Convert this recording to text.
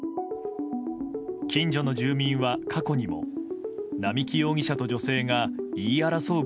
近所の住民は過去にも並木容疑者と女性が言い争う